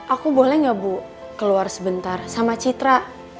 aku boleh gak bu keluar sebentar sama citra